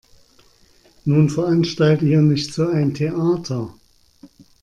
Nun veranstalte hier nicht so ein Theater.